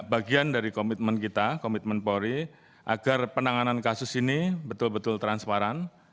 bagian dari komitmen kita komitmen polri agar penanganan kasus ini betul betul transparan